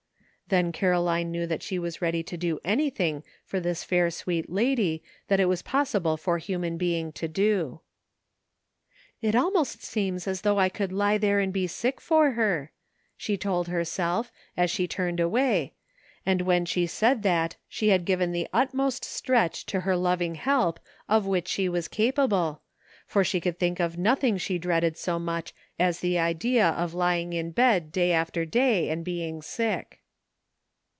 Then Caroline knew that she was ready to do any thing for this fair sweet lady that it was possi ble for human being to do. " It almost seems as though I could lie there and be sick for her," she told herself, as she turned away, and when she said that she had given the utmost stretch to her loving help of which she was capable, for she could think of 246 LEARNING. nothing she dreaded so much as the idea of lying in bed day after day and being sick.